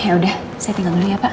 yaudah saya tinggal dulu ya pak